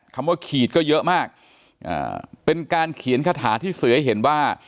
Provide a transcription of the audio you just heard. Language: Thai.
คำว่าขีดก็เยอะมากเป็นการเขียนคาถาที่เสือให้เห็นว่า